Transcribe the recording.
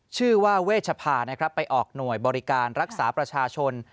ชื่อว่าเวชภานะครับไปออกหน่วยบริการรักษาประชาชน